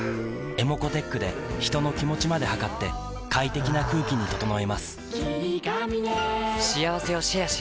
ｅｍｏｃｏーｔｅｃｈで人の気持ちまで測って快適な空気に整えます